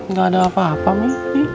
nggak ada apa apa mas